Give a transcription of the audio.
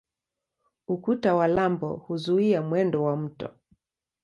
Ukuta wa lambo huzuia mwendo wa mto.